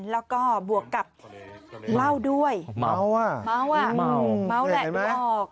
แล้วก็บวกกับเหล้าด้วยเม้าอ่ะเม้าแหละดูออก